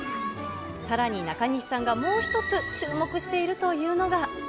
さらに中西さんがもう１つ注目しているというのが。